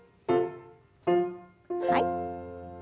はい。